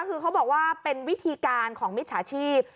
คือเขาบอกว่าเป็นวิธีการของมิจฉาชีพ